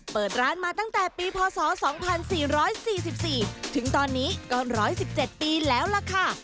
เปิดร้านมาตั้งแต่ปีพศ๒๔๔ถึงตอนนี้ก็๑๑๗ปีแล้วล่ะค่ะ